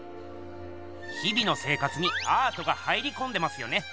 日々の生活にアートが入りこんでますよね。